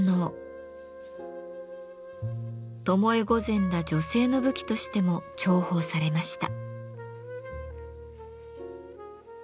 巴御前ら女性の武器としても重宝されました。